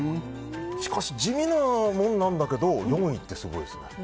しかし地味なもんなんだけど４位ってすごいですね。